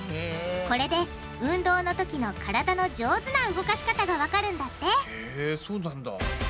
これで運動のときの体の上手な動かし方がわかるんだってへぇそうなんだ。